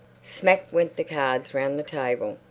'" Smack went the cards round the table.